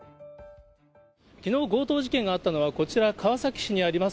きのう、強盗事件があったのは、こちら、川崎市にあります